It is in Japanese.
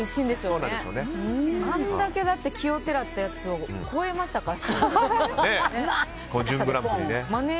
あれだけ奇をてらったやつを超えましたから。